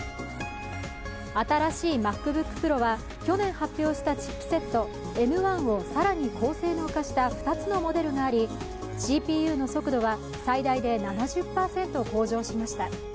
新しいＭａｃＢｏｏｋＰｒｏは去年発表したチップセットＭ１を更に高性能化した２つのモデルがあり、ＣＰＵの速度は最大で７０％向上しました。